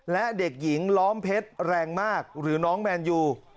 และเด็กหญิงล้อมเพชรแรงมากหรือน้องแมนยู